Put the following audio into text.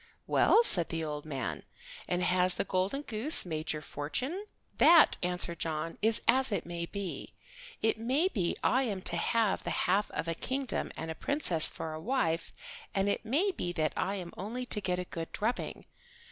"Well," said the old man, "and has the golden goose made your fortune?" "That," answered John, "is as it may be. It may be I am to have the half of a kingdom and a princess for a wife, and it may be that I am only to get a good drubbing.